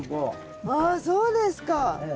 あそうですか。